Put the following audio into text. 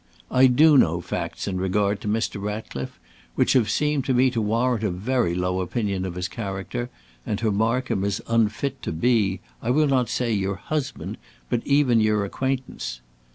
"I do know facts in regard to Mr. Ratcliffe, which have seemed to me to warrant a very low opinion of his character, and to mark him as unfit to be, I will not say your husband, but even your acquaintance.